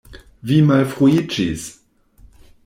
Vi malfruiĝis!